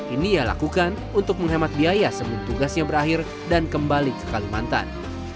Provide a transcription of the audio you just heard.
ini yang dilakukan untuk menghemat biaya sambil tugasnya berakhir dan kembali ke kalimantan